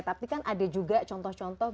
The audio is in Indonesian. tapi kan ada juga contoh contoh